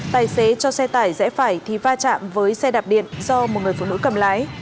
tài xế cho xe tải rẽ phải thì va chạm với xe đạp điện do một người phụ nữ cầm lái